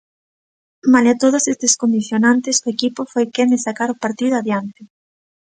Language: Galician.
Malia todos estes condicionantes, o equipo foi quen de sacar o partido adiante.